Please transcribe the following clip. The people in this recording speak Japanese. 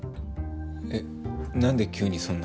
えっ何で急にそんな。